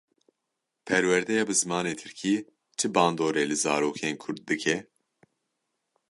Perwerdeya bi zimanê Tirkî çi bandorê li zarokên Kurd dike?.